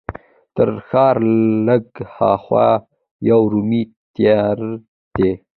تر ښار لږ هاخوا یو رومي تیاتر دی.